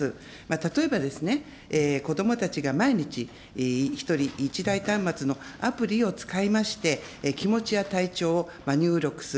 例えば、子どもたちが毎日、１人１台端末のアプリを使いまして、気持ちや体調を入力する。